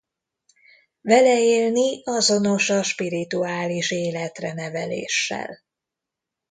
Vele élni azonos a spirituális életre neveléssel.